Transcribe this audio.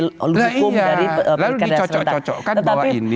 lalu dicocok cocokkan bahwa ini